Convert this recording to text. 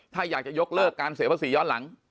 ถ้าอยากจะยกเลิกการเสียภาษีย้อนหลัง